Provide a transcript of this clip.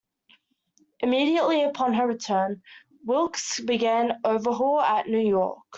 Immediately upon her return, "Wilkes" began overhaul at New York.